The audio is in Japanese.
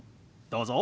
どうぞ。